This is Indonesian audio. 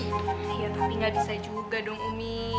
iya tapi nggak bisa juga dong umi